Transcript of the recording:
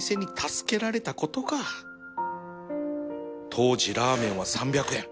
当時ラーメンは３００円